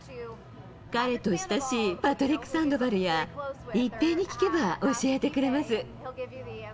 彼と親しいパトリック・サンドバルや、一平に聞けば、教えてくれます。